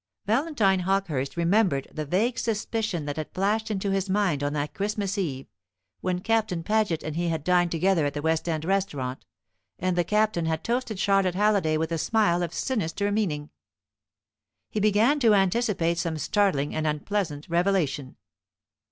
Valentine Hawkehurst remembered the vague suspicion that had flashed into his mind on that Christmas Eve when Captain Paget and he had dined together at a West End restaurant, and the Captain had toasted Charlotte Halliday with a smile of sinister meaning. He began to anticipate some startling and unpleasant revelation.